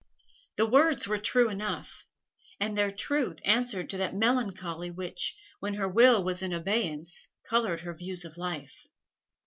The words were true enough, and their truth answered to that melancholy which, when her will was in abeyance, coloured her views of life.